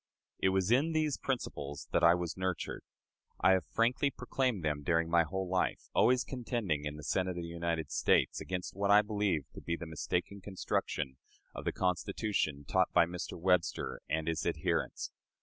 It was in these principles that I was nurtured. I have frankly proclaimed them during my whole life, always contending in the Senate of the United States against what I believed to be the mistaken construction of the Constitution taught by Mr. Webster and his adherents.